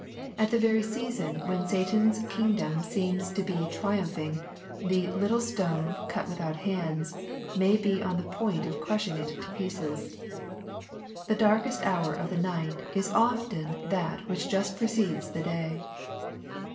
At the very season when Satan's kingdom seems to be triumph ing, the " little stone, cut without hands," may be on the point of crushing it to pieces. The darkest hour of the night is often that which just precedes the day.